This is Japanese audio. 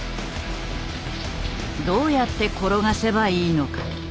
どうやって転がせばいいのか？